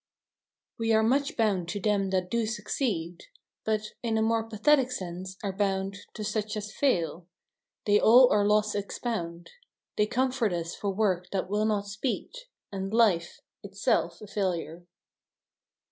X 7E are much bound to thejn that do succeed v v But, in a more pathetic sense, are bound To such as fail. They all our loss expound ; They comfort us for work that will not speed, ' And life — itself a failure.